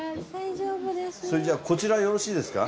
それじゃあこちらよろしいですか？